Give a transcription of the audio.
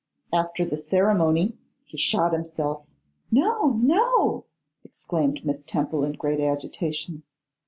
After the ceremony he shot himself.' 'No, no!' exclaimed Miss Temple in great agitation.